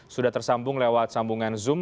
sudah tersambung lewat sambungan zoom